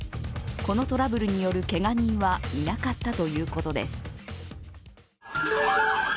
このトラブルによるけが人はいなかったということです。